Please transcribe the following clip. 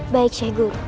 baik syekh guru